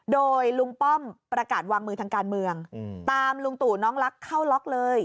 โดยลุงป้อมประกาศวางมือทางการเมืองตามลุงตู่น้องลักษณ์เข้าล็อกเลย